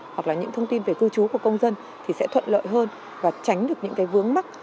hoặc là những thông tin về cư trú của công dân thì sẽ thuận lợi hơn và tránh được những cái vướng mắt